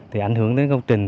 thì ảnh hưởng đến công trình